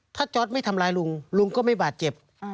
ถ้าจ๊อตไม่ทำร้ายลุงลุงก็ไม่บาดเจ็บ